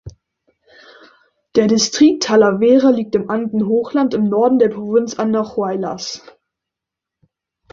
Der Distrikt Talavera liegt im Andenhochland im Norden der Provinz Andahuaylas.